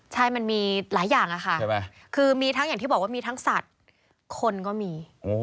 ใช่มันมีหลายอย่างค่ะคือมีทั้งอย่างที่บอกว่ามีทั้งสัตว์คนก็มี